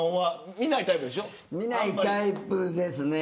見ないタイプですね。